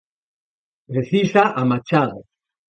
Precisa a machada!